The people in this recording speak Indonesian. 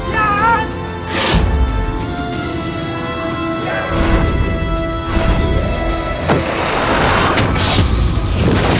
bahkan ke liar